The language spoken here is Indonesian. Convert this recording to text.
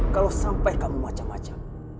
kalau sampai kamu macem macem